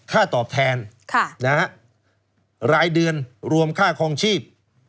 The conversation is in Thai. ค่าตอบแทนรายเดือนรวมค่าคลองชีพ